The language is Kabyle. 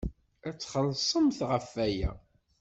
Ad txellṣemt ɣef waya!